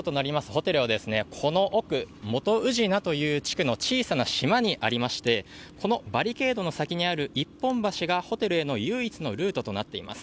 ホテルはこの奥、元宇品という地区の小さな島にありましてこのバリケードの先にある一本橋がホテルへの唯一のルートとなっています。